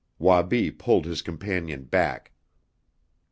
Wabi pulled his companion back.